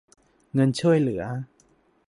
เงินช่วยเหลือ